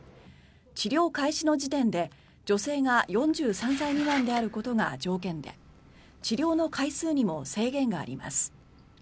治療開始の時点で女性が４３歳未満であることが条件で治療の回数にも制限があります。